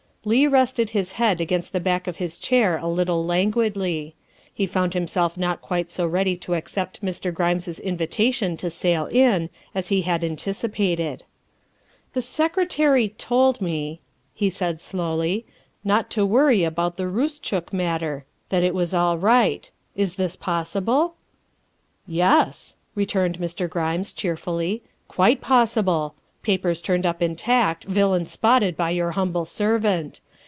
Leigh rested his head against the back of his chair a little languidly. He found himself not quite so ready to accept Mr. Grimes 's invitation to sail in as he had anticipated. 340 THE WIFE OF " The Secretary told me," lie said slowly, " not to worry about the Roostchook matter that it was all right. Is this possible?" " Yes," returned Mr. Grimes cheerfully, " quite pos sible. Papers turned up intact, villain spotted by your humble servant.